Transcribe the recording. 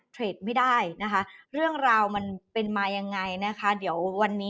เทรดไม่ได้นะคะเรื่องราวมันเป็นมายังไงนะคะเดี๋ยววันนี้